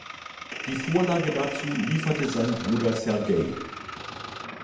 Die Vorlage dazu lieferte sein Bruder Sergei.